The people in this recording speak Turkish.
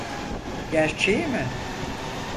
Gerçeği mi?